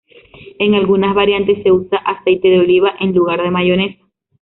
En algunas variantes se usa aceite de oliva en lugar de mayonesa.